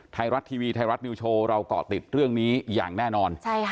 ไทยรัฐทีวีไทยรัฐนิวโชว์เราเกาะติดเรื่องนี้อย่างแน่นอน